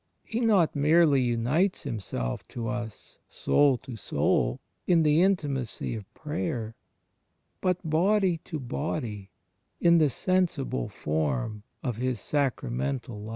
He not merely imites Himself to us, Soul to soul, in the intimacy of prayer, but Body to body in the sensible form of His Sacramental Life.